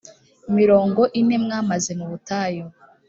mirongo ine mwamaze mu butayu